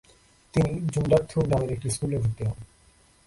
তিনি জুন্ডার্থ গ্রামের একটি স্কুলে ভর্তি হন।